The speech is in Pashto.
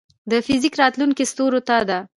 د فزیک راتلونکې ستورو ته ده.